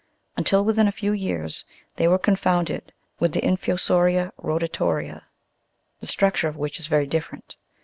95 until within a few years they were confounded with the infuso'ria rotato'ria, the structure of which is very different.